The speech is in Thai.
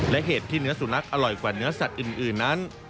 และเหตุที่เนื้อสุนัขอร่อยกว่าเนื้อสัตว์อื่นนั้น